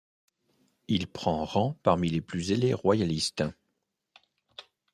Il prend rang parmi les plus zélés royalistes.